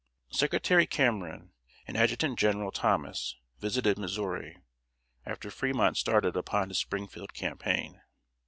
Secretary Cameron and Adjutant General Thomas visited Missouri, after Fremont started upon his Springfield campaign.